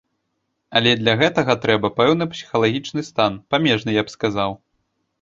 Але для гэтага трэба пэўны псіхалагічны стан, памежны, я б сказаў.